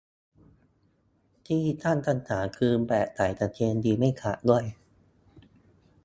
ที่ตั้งคำถามคือแบบ ใส่กางเกงยีนส์ไม่ขาดด้วย